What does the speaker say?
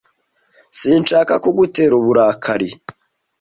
Sinshaka kugutera uburakari.